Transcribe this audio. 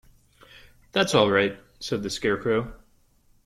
"That's all right," said the Scarecrow.